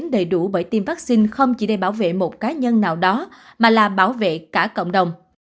đầy đủ bởi tiêm vaccine không chỉ để bảo vệ một cá nhân nào đó mà là bảo vệ cả cộng đồng